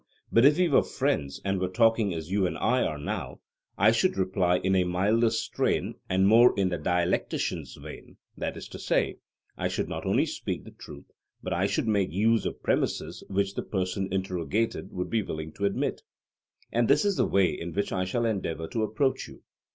But if we were friends, and were talking as you and I are now, I should reply in a milder strain and more in the dialectician's vein; that is to say, I should not only speak the truth, but I should make use of premises which the person interrogated would be willing to admit. And this is the way in which I shall endeavour to approach you.